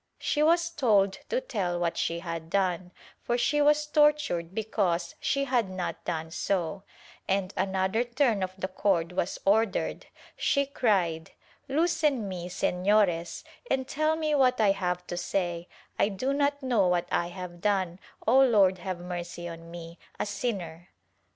She was told to tell what she had done, for she was tortured because she had not done so, and another turn of the cord was ordered. She cried " Loosen me, Sefiores and tell me what I have to say : I do not know what I have done, O Lord have mercy on me, a sinner !"